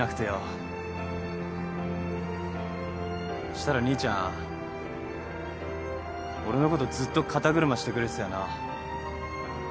したら兄ちゃん俺のことずっと肩車してくれてたよな。